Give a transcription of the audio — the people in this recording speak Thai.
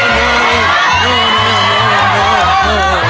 เริ่มครับ